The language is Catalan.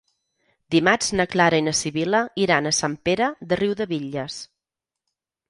Dimarts na Clara i na Sibil·la iran a Sant Pere de Riudebitlles.